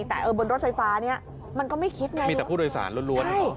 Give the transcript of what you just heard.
แต่บนรถไฟฟ้านี้มันก็ไม่คิดไงมีแต่ผู้โดยสารล้วน